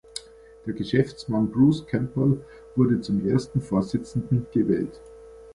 Der Geschäftsmann Bruce Campbell wurde zum ersten Vorsitzenden gewählt.